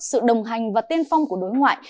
sự đồng hành và tiên phong của đối ngoại